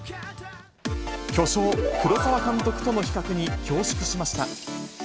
巨匠、黒澤監督との比較に恐縮しました。